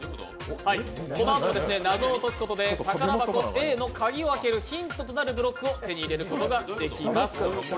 このあとも謎を解くことで宝箱Ａの鍵を解くためのヒントとなるブロックを手に入れることができます。